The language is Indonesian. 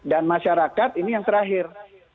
dan masyarakat ini yang terakhir